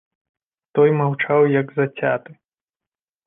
Той маўчаў як зацяты.